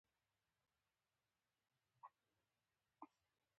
په جګړه کې نیول شوي کسان وو.